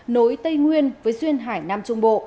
nối tây nguyên với xuyên hải nam trung bộ